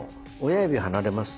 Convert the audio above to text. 親指離れます。